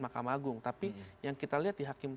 mahkamah agung tapi yang kita lihat di hakim